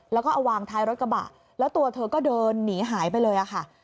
แล้วก็เอาวางท้ายรถกระบะแล้วตัวเธอก็เดินหนีหายไปเลยค่ะ